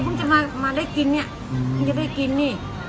คุณจะมาได้กินเนี่ยมึงจะได้กินนี่